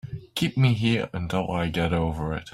Keep me here until I get over it.